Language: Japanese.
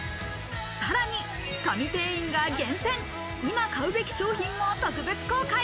さらに、神店員が厳選、今買うべき商品も特別公開。